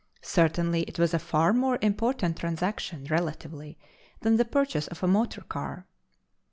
Certainly it was a far more important transaction relatively than the purchase of a motor car.